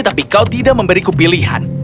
tapi kau tidak memberiku pilihan